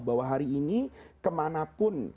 bahwa hari ini kemanapun